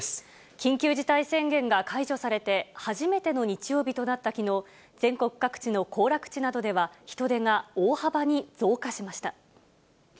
緊急事態宣言が解除されて初めての日曜日となったきのう、全国各地の行楽地などでは人出が大幅に増加しました。